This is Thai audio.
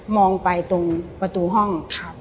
มองไปตรงประตูห้อง